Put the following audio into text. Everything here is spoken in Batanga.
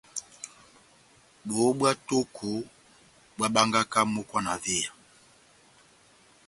Bohó bwá tóko bohábángaka mókwa na véya.